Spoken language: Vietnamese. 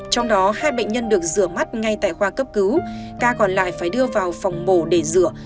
trong đó hai bệnh nhân được rửa mắt ngay tại khoa cấp cứu ca còn lại phải đưa vào phòng mổ để rửa